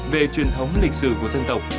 về truyền thống lịch sử của dân tộc